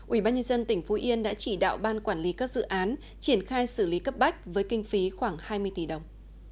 ubnd tỉnh phú yên đã chỉ đạo ban quản lý các dự án triển khai xử lý cấp bách với kinh phí khoảng hai mươi tỷ đồng